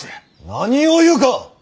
何を言うか！